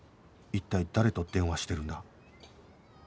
一体誰と電話してるんだ？